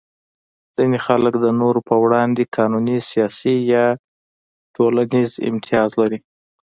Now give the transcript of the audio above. ځینې خلک د نورو په وړاندې قانوني، سیاسي یا ټولنیز امتیاز لري.